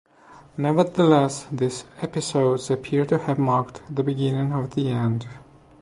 Nevertheless, these episodes appear to have marked the beginning of the end.